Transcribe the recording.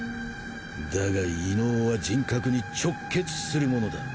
だが異能は人格に直結するものだ！